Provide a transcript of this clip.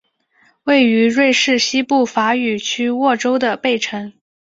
位于瑞士西部法语区沃州的贝城。